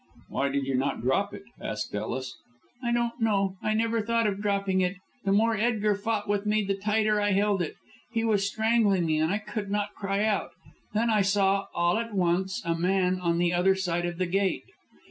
"Why did you not drop it?" asked Ellis. "I don't know. I never thought of dropping it. The more Edgar fought with me the tighter I held it. He was strangling me, and I could not cry out. Then I saw, all at once, a man on the other side of the gate."